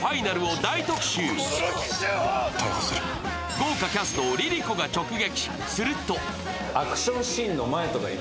豪華キャストをＬｉＬｉＣｏが直撃。